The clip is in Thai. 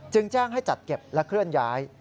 แจ้งให้จัดเก็บและเคลื่อนย้าย